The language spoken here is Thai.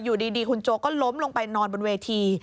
อยู่ดีคุณโจก็ล้มลงไปนอนบนเวที